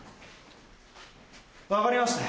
分かりましたよ。